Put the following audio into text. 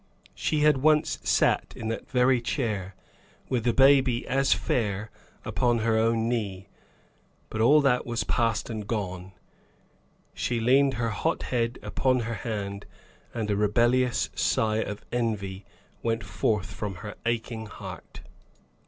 She had once sat in that very chair, with a baby as fair upon her own knee; but all that was past and gone. She leaned her hot head upon her hand, and a rebellious sigh of envy went forth from her aching heart.